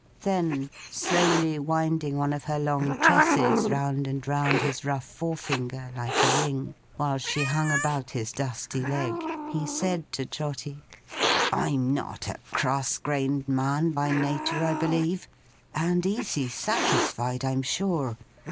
Then slowly winding one of her long tresses round and round his rough forefinger like a ring, while she hung about his dusty leg, he said to Trotty: 'I'm not a cross grained man by natu', I believe; and easy satisfied, I'm sure.